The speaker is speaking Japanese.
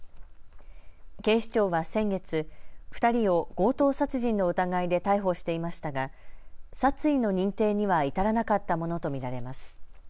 警視庁は先月、２人を強盗殺人の疑いで逮捕していましたが殺意の認定には至らなかったものと見られます。